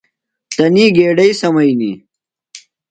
تنی گیڈئی سمئینیۡ۔